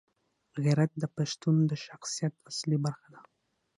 غیرت د پښتون د شخصیت اصلي برخه ده.